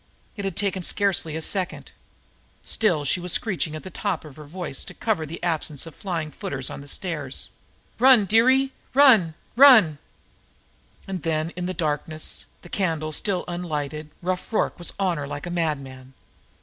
It had taken scarcely a second. She was still screeching at the top of her voice to cover the absence of flying footers on the stairs. "Run, dearie, run! Run!" And then, in the darkness, the candle still unlighted, Rough Rorke was on her like a madman.